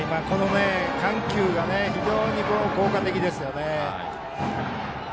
緩急が非常に効果的ですね。